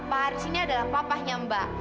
pak haris ini adalah papanya mbak